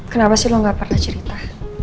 kenapa sih lo gak pernah cerita